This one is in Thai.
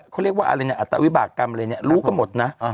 เขาเรียกว่าอะไรนะอัตวิบากรรมอะไรเนี่ยรู้กันหมดนะ